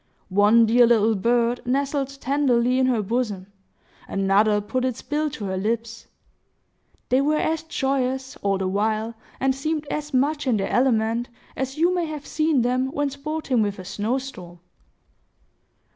One dear little bird nestled tenderly in her bosom; another put its bill to her lips. They were as joyous, all the while, and seemed as much in their element, as you may have seen them when sporting with a snow storm.